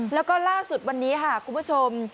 แล้วก็ล่าสุดวันนี้ค่ะคุณผู้ชม